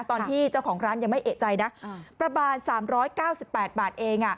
ตอนที่เจ้าของร้านยังไม่เอกใจน่ะอืมประบาทสามร้อยเก้าสิบแปดบาทเองอ่ะ